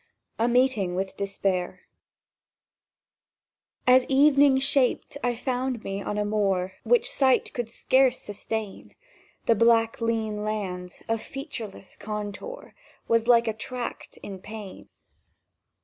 A MEETING WITH DESPAIR AS evening shaped I found me on a moor Which sight could scarce sustain: The black lean land, of featureless contour, Was like a tract in pain.